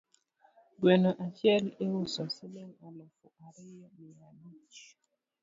Gweno achiel iuso siling alufu ariyo mia bich